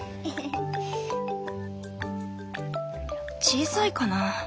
小さいかな？